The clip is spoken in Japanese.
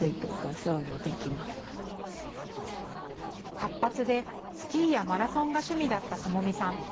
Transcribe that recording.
活発でスキーやマラソンが趣味だった智美さん。